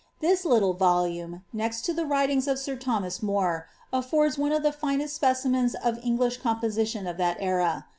This Utile volame, Htt KATHASINB PASS. 35 to the writings of sir Thomas More, affords one of the finest specimens of English composition of that era.